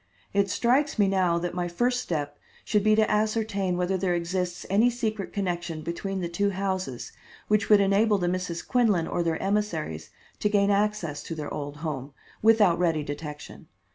"It strikes me now that my first step should be to ascertain whether there exists any secret connection between the two houses which would enable the Misses Quinlan or their emissaries to gain access to their old home, without ready detection.